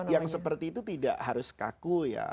yang seperti itu tidak harus kaku ya